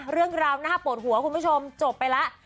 เรื่องราวน่าปวดหัวคุณผู้ชมจบไปแล้ว